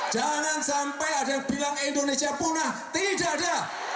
jangan sampai ada yang bilang indonesia punah tidak ada